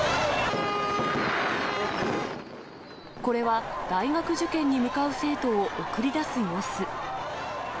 これは、大学受験に向かう生徒を送り出す様子。